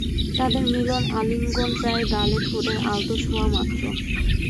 তাদের মিলন আলিঙ্গন প্রায় গালে ঠোঁটের আলতো ছোঁয়া মাত্র।